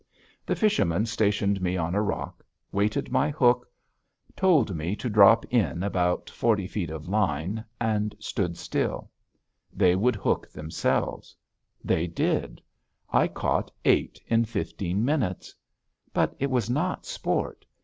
The fisherman stationed me on a rock, weighted my hook, told me to drop in about forty feet of line, and stand still. They would hook themselves. They did. I caught eight in fifteen minutes. But it was not sport.